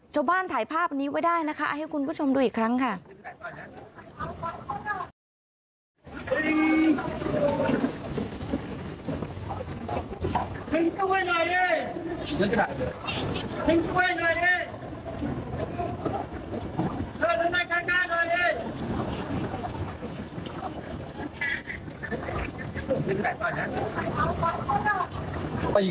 ชาวบ้านถ่ายภาพนี้ไว้ได้นะคะให้คุณผู้ชมดูอีกครั้งค่ะ